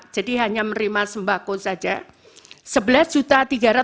jadi hanya menerima sembako saja